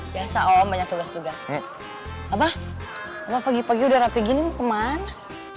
biasa om banyak tugas tugas apa apa gipa gede rapi gini kemana